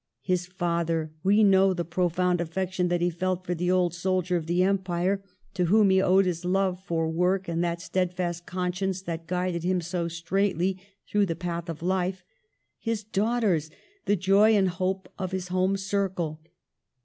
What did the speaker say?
His father! We know the pro found affection that he felt for the old soldier of the Empire, to whom he owed his love for work and that steadfast conscience that guided him so straightly through the path of life. His daughters! The joy and the hope of his home circle.